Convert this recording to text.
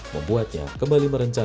membuatnya kembali merancang